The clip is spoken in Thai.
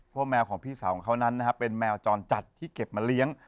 เพราะแมวของพี่สาวของเขานั้นนะฮะเป็นแมวจรจัดที่เก็บมาเลี้ยง